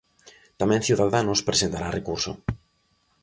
Tamén Ciudadanos presentará recurso...